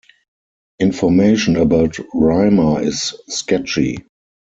Information about Rymer is sketchy.